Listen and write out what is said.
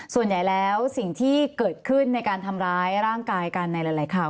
ส่วนใหญ่แล้วสิ่งที่เกิดขึ้นในการทำร้ายร่างกายกันในหลายข่าว